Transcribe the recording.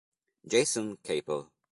Jason Capel